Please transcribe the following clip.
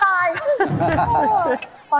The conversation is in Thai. หน้าค่าให้ตาย